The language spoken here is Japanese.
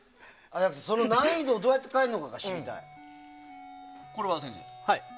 難易度をどうやって変えるのかが知りたい。